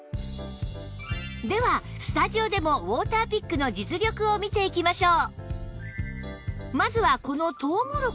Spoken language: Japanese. ではスタジオでもウォーターピックの実力を見ていきましょう